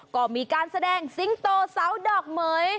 ก็มีการแสดงสิงโตเสาดอกเหม๋ย